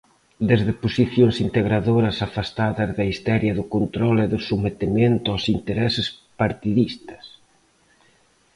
Dende posicións integradoras afastadas da histeria do control e do sometemento os intereses partidistas.